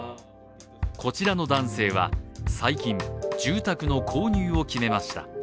こちらの男性は最近、住宅の購入を決めました。